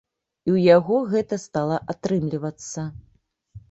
І ў яго гэта стала атрымлівацца.